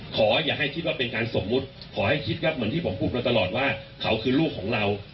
อย่าให้คิดว่าเป็นการสมมุติขอให้คิดครับเหมือนที่ผมพูดมาตลอดว่าเขาคือลูกของเรา